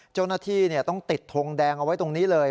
เจ้าหน้าที่ต้องติดทงแดงเอาไว้ตรงนี้เลย